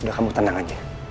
udah kamu tenang aja